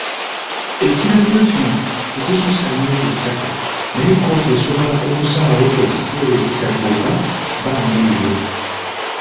Ekiragiro kino tekisuusa myezi esatu, naye kkooti esobola okusalawo ekiseera ekitatuuka bbanga eryo.